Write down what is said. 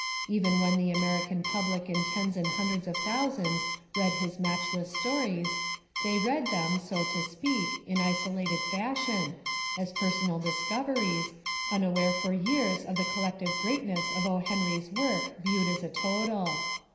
Even when the American public in tens and hundreds of thousands read his matchless stories, they 264 The Amazing Genius of O. Henry read them, so to speak, in isolated fashion, as personal discoveries, unaware for years of the collective greatness of O. Henry's work viewed as a total.